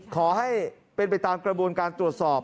ขอให้เป็นไปตามกระบวนการตรวจสอบ